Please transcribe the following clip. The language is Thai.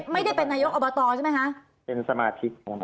ไม่ได้เป็นนายกอบตใช่ไหมคะ